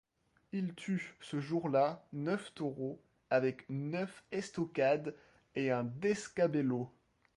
Il tue ce jour là neuf taureaux avec neuf estocades et un descabello.